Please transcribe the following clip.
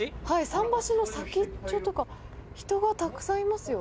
桟橋の先っちょとか人がたくさんいますよ。